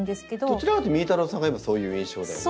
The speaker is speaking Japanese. どちらかというとみーたろうさんが今そういう印象だよね。